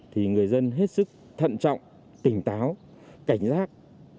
thì người dân hết sức thận trọng tỉnh táo cảnh giác